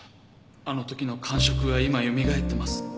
あの時の感触が今よみがえってます。